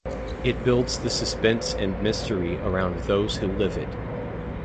It builds the suspense and mystery around those who live it.